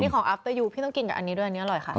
ของอัพเตอร์ยูพี่ต้องกินกับอันนี้ด้วยอันนี้อร่อยค่ะ